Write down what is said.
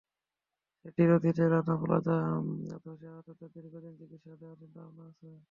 সেটির অধীনে রানা প্লাজা ধসে আহতদেরও দীর্ঘদিন চিকিৎসা দেওয়ার চিন্তাভাবনা আছে।